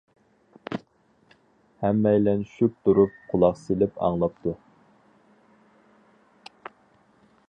ھەممەيلەن شۈك تۇرۇپ قۇلاق سېلىپ ئاڭلاپتۇ.